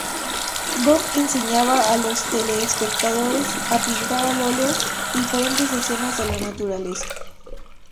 Bob enseñaba a los telespectadores a pintar al óleo diferentes escenas de la naturaleza.